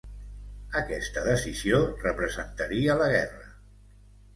Aquesta decisió representaria la guerra.